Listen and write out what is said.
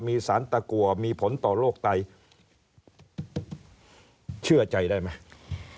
มีสารตะกัวมีผลต่อโรคไตเชื่อใจได้ไหม